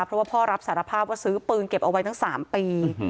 เพราะว่าพ่อรับสารภาพว่าซื้อปืนเก็บเอาไว้ตั้ง๓ปี